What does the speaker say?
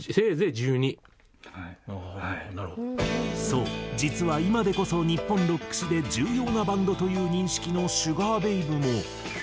そう実は今でこそ日本ロック史で重要なバンドという認識のシュガー・ベイブも。